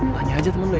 lany aja temen lo ya